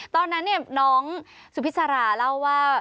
ตอนนั้นน้องสุพิษราเล่าว่า